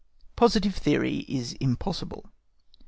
POSITIVE THEORY IS IMPOSSIBLE.